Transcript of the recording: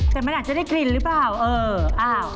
แต่มันอาจจะได้กลิ่นหรือเปล่าเออ